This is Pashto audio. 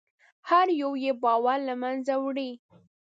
هر یو یې باور له منځه وړي.